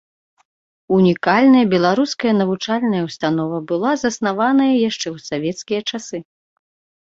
Унікальная беларуская навучальная ўстанова была заснаваная яшчэ ў савецкія часы.